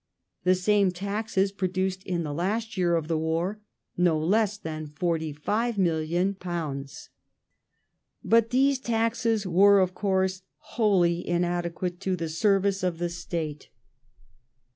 The same taxes produced in the last year of war no less than £45,000,000. But those taxes were, of course, wholly inadequate to the service of the State.